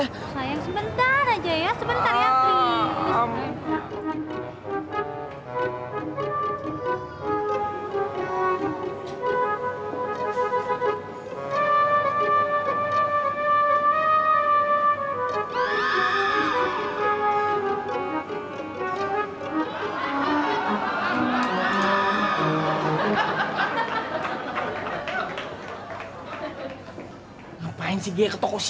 sayang sebentar aja ya sebentar ya please